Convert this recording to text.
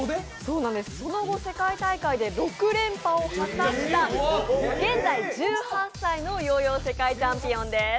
その後世界大会で６連覇を果たした、現在１８歳のヨーヨー世界チャンピオンです。